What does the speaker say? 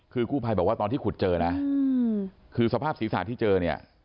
คือกู้ภัยบอกว่าตอนที่ขุดเจอนะคือสภาพศีรษะที่เจอเนี่ย